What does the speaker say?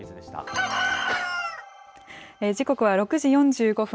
時刻は６時４５分。